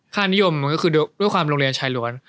ค่านิยมก็คือด้วยความโรงเรียนชายล้วน